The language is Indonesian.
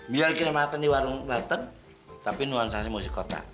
biar kaya makan di warung warteg tapi nuansanya musik kota